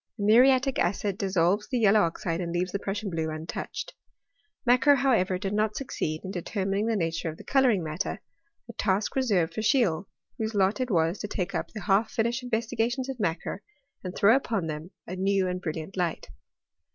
The muriatic acid dissolves thft yellow oxide and leaves the Prussian blue untouched. Macquer, however, did not succeed in determining the THBORT IK CHEMISTRY. Hfft S^we of the colouring matter; a task reserved for r^^^iede, whose lot it was to take up the half finished ^Vestigations of Macquer, and throw upon them a ^^ and brilliant light.